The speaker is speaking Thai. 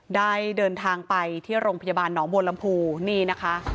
ได้เดินทางไปที่โรงพยาบาลหนองบัวลำพูนี่นะคะ